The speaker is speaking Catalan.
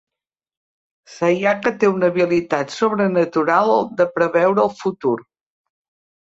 Sayaka té una habilitat sobrenatural de preveure el futur.